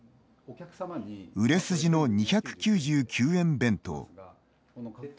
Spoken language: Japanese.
売れ筋の２９９円弁当。